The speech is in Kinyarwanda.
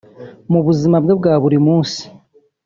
Mu buzima bwe bwa buri munsi